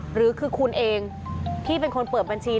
หรือคือคุณเองที่เป็นคนเปิดบัญชี